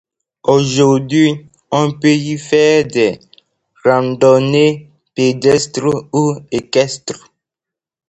Aujourd'hui on peut y faire des randonnées pédestres ou équestres.